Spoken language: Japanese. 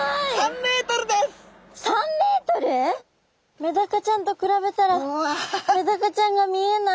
メダカちゃんと比べたらメダカちゃんが見えない。